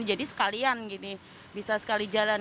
jadi sekalian bisa sekali jalan